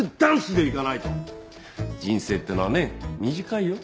人生ってのはね短いよ。